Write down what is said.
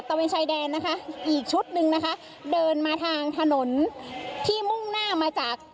เวนชายแดนนะคะอีกชุดหนึ่งนะคะเดินมาทางถนนที่มุ่งหน้ามาจาก